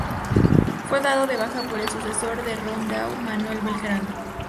Fue dado de baja por el sucesor de Rondeau, Manuel Belgrano.